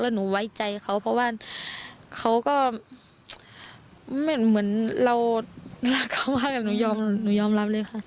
หนูไว้ใจเขาเพราะว่าเขาก็เหมือนเรารักเขามากแต่หนูยอมหนูยอมรับเลยค่ะ